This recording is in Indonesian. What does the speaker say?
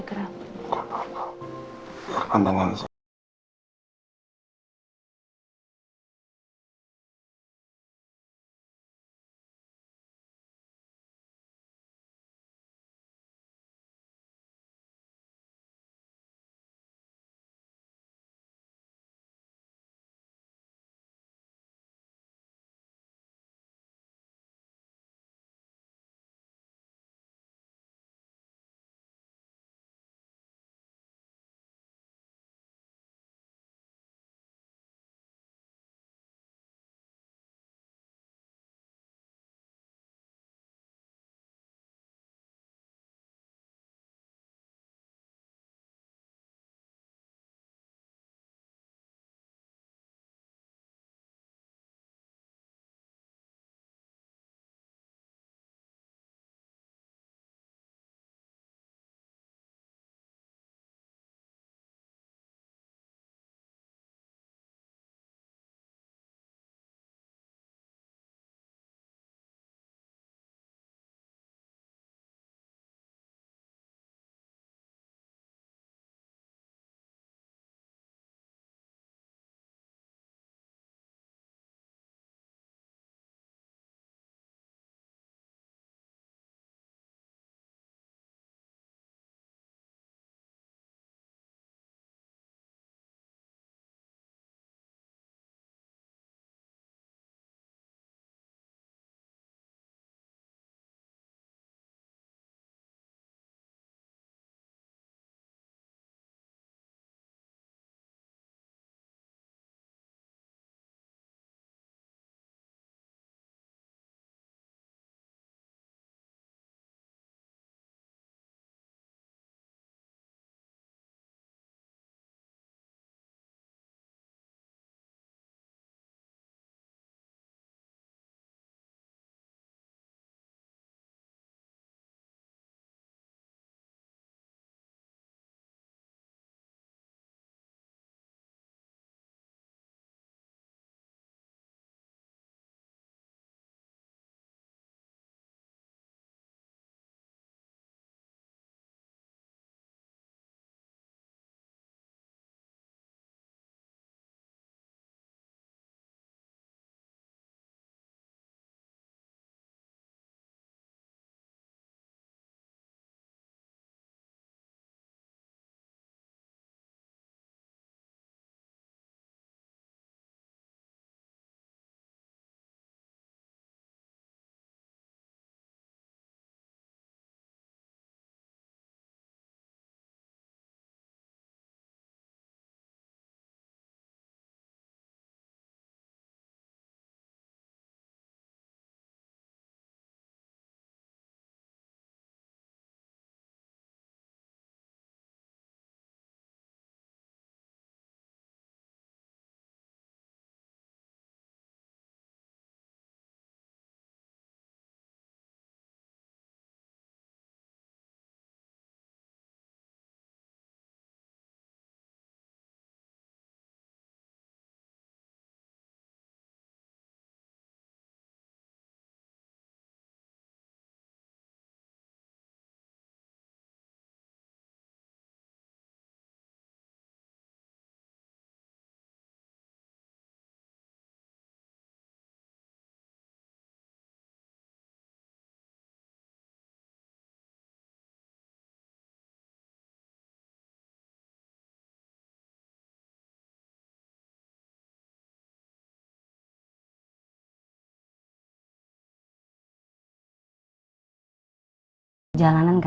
nggak usah dipandingin terus tangannya